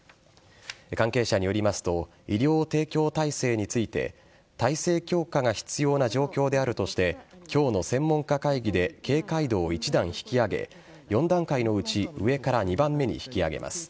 関係者によりますと医療提供体制について体制強化が必要な状況であるとして今日の専門家会議で警戒度を１段引き上げ４段階のうち上から２番目に引き上げます。